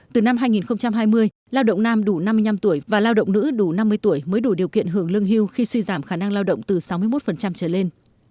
từ năm hai nghìn hai mươi lao động nam đủ năm mươi năm tuổi và lao động nữ đủ năm mươi tuổi mới đủ điều kiện hưởng lương hưu khi suy giảm khả năng lao động từ sáu mươi một trở lên